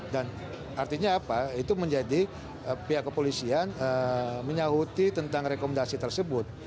dan artinya apa itu menjadi pihak kepolisian menyahuti tentang rekomendasi tersebut